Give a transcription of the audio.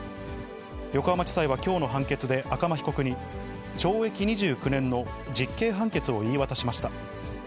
横浜地裁はきょうの判決で赤間被告に、懲役２９年の実刑判決を言い渡しました。